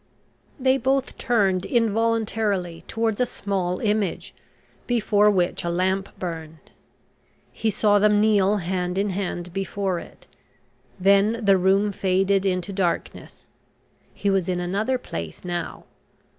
They both turned involuntarily towards a small image, before which a lamp burned. He saw them kneel hand in hand before it; then the room faded into darkness he was in another place now.